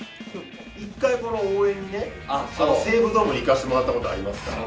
一回、この応援にね、西武ドームに行かしてもらったことありますから。